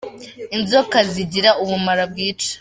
Inzoka zigira ubumara bwica.